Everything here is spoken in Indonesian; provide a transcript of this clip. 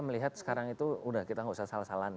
melihat sekarang itu udah kita gak usah salah salah